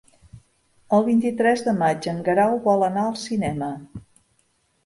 El vint-i-tres de maig en Guerau vol anar al cinema.